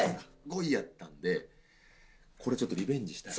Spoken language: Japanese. ５位やったんでこれちょっとリベンジしたい。